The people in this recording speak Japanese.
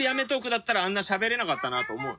だったらあんなしゃべれなかったなと思う